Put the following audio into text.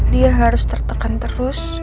dia harus tertekan terus